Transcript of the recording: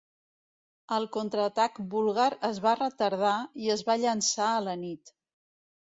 El contraatac búlgar es va retardar i es va llançar a la nit.